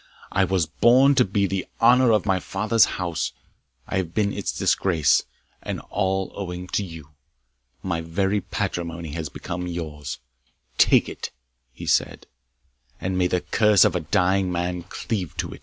I was born to be the honour of my father's house I have been its disgrace and all owing to you. My very patrimony has become yours Take it," he said, "and may the curse of a dying man cleave to it!"